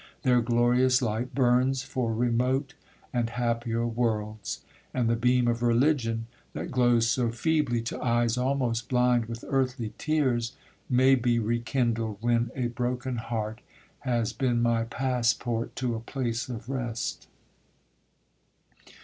Their glorious light burns for remote and happier worlds; and the beam of religion that glows so feebly to eyes almost blind with earthly tears, may be rekindled when a broken heart has been my passport to a place of rest.